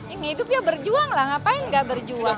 ini hidup ya berjuang lah ngapain gak berjuang